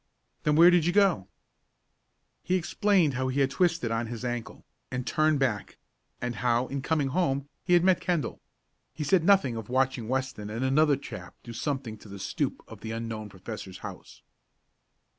"Then where did you go?" He explained how he had twisted on his ankle, and turned back, and how, in coming home, he had met Kendall. He said nothing of watching Weston and another chap do something to the stoop of the unknown professor's house.